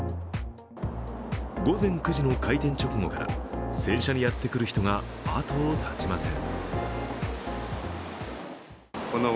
午前９時の開店直後から洗車にやってくる人が後を絶ちません。